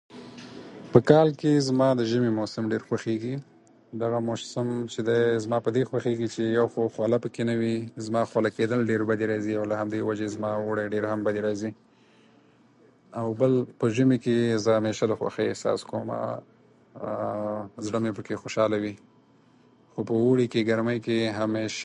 په کال کې زما د ژمي موسم ډېر خوښېږي. دغه موسم چې دی، زما په دې خوښېږي چې یو خو خوله پکې نه وي. زما خوله کېدل ډېر بدې راځي، او له همدې وجې زما اوړی بدې راځي. او بل، زه په ژمي کې همېشه د خوښۍ احساس کومه، زړه مې پکې خوشاله وي، خو په اوړي کې، ګرمۍ کې همېش